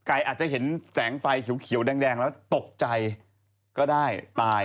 อาจจะเห็นแสงไฟเขียวแดงแล้วตกใจก็ได้ตาย